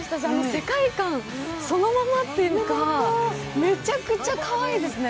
世界観そのままっていうのがめちゃくちゃかわいいですね。